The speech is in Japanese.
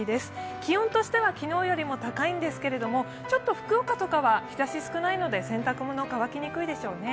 気温としては昨日よりも高いんですけれども、福岡とかは日ざしが少ないので洗濯物は乾きにくいでしょうね。